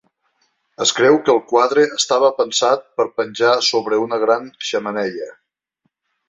Es creu que el quadre estava pensat per penjar sobre d'una gran xemeneia.